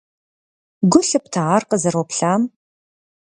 Гу лъыпта ар къызэроплъам?